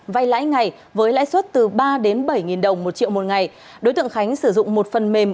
vay lãi ngày với lãi suất từ ba đến bảy đồng một triệu một ngày đối tượng khánh sử dụng một phần mềm